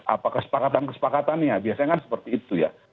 apa kesepakatan kesepakatannya biasanya kan seperti itu ya